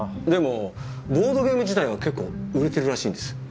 でもボードゲーム自体は結構売れてるらしいんです。